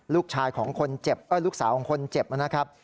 ลูกชายของคนเจ็บลูกสาวของคนเจ็บนะครับ